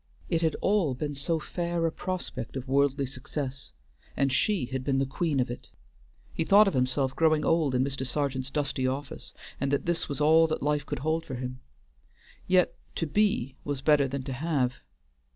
It had all been so fair a prospect of worldly success, and she had been the queen of it. He thought of himself growing old in Mr. Sergeant's dusty office, and that this was all that life could hold for him. Yet to be was better than to have.